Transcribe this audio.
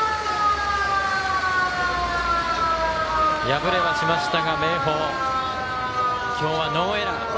敗れはしましたが、明豊今日はノーエラー。